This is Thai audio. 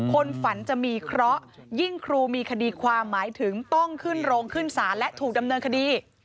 คนฝันจะมีเคราะห์ยิ่งครูมีคดีความหมายถึงต้องขึ้นโรงขึ้นศาลและถูกดำเนินคดี